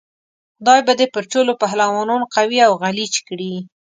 خدای به دې پر ټولو پهلوانانو قوي او غلیچ کړي.